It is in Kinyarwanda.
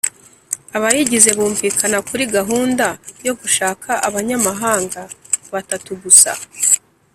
abayigize bumvikana kuri gahunda yo gushaka abanyamahanga batatu gusa